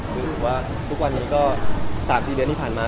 คือถือว่าทุกวันนี้ก็๓๔เดือนที่ผ่านมา